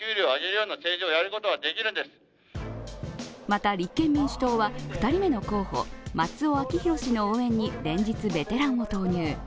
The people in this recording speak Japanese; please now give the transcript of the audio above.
また、立憲民主党は２人目の候補、松尾明弘氏の応援に連日、ベテランを投入。